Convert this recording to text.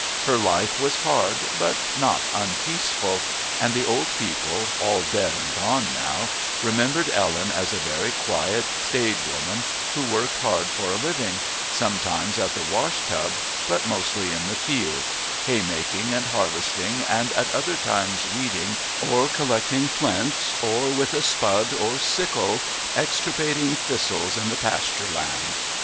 Her life was hard but not unpeaceful, and the old people, all dead and gone now, remembered Ellen as a very quiet, staid woman who worked hard for a living, sometimes at the wash tub, but mostly in the fields, haymaking and harvesting and at other times weeding, or collecting flints, or with a spud or sickle extirpating thistles in the pasture land.